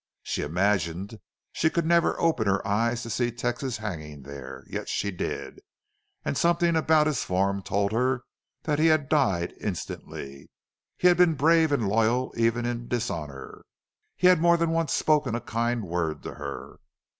She imagined she could never open her eyes to see Texas hanging there. Yet she did and something about his form told her that he had died instantly. He had been brave and loyal even in dishonor. He had more than once spoken a kind word to her.